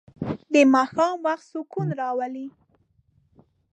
د ماښام وخت سکون راولي.